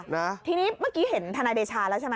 นะทีนี้เมื่อกี้เห็นทนายเดชาแล้วใช่ไหม